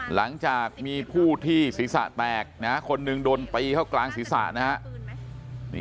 หลังจากมีผู้ที่ศีรษะแตกนะฮะคนหนึ่งโดนตีเข้ากลางศีรษะนะฮะ